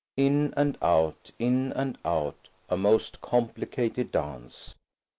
In and out, in and out–a most complicated dance.